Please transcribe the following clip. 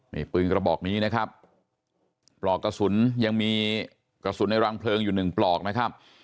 นี่ปืนกระบอกนี้นะครับปลอกกระสุนยังมีกระสุนในรังเพลิงอยู่หนึ่งปลอกนะครับ